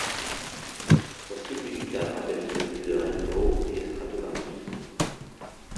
Son style musical rappelle celui de Rainbow et Stratovarius.